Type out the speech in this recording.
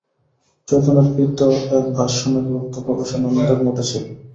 চৈতন্যের কৃত এক ভাষ্য নাকি উক্ত প্রকাশানন্দের মঠে ছিল।